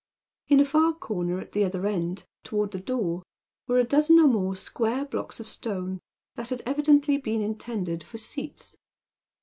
In a far corner at the other end, toward the door, were a dozen or more square blocks of stone that had evidently been intended for seats.